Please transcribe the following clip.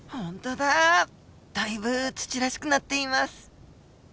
だいぶ土らしくなっています。